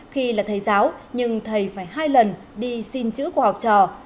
khi là thầy giáo nhưng thầy phải hai lần đi xin chữ của học trò